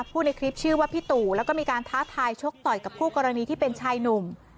ในคลิปชื่อว่าพี่ตู่แล้วก็มีการท้าทายชกต่อยกับคู่กรณีที่เป็นชายหนุ่ม